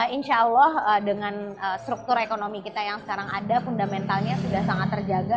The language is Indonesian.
insya allah dengan struktur ekonomi kita yang sekarang ada fundamentalnya sudah sangat terjaga